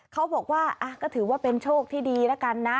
เขาบอกว่าก็ถือว่าเป็นโชคที่ดีแล้วกันนะ